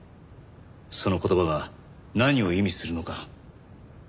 その言葉が何を意味するのか。